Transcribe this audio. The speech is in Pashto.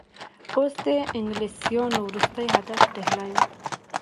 اوس د انګلیسیانو وروستی هدف ډهلی وو.